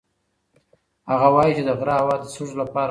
هغه وایي چې د غره هوا د سږو لپاره ښه ده.